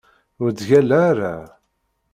Ur ttgalla ara!